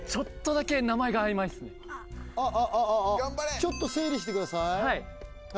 ちょっと整理してください頑張れ！